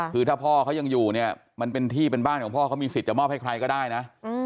คือถ้าพ่อเขายังอยู่เนี่ยมันเป็นที่เป็นบ้านของพ่อเขามีสิทธิ์จะมอบให้ใครก็ได้นะ